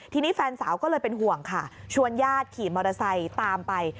ทีนี้แฟนสาวก็เลยเป็นห่วงค่ะชวนญาติขี่มอเตอร์ไซค์ตามไป